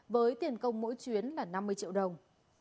với tiền công mỗi chuyến là năm mươi triệu đồng